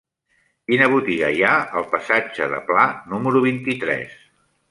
Quina botiga hi ha al passatge de Pla número vint-i-tres?